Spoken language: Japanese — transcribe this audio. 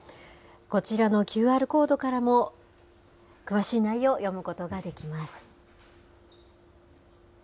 こちらのＱＲコードからも詳しい内容読むことができます。